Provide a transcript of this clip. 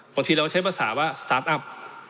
บางทีเราใช้ภาษาว่าสตาร์ทอัพ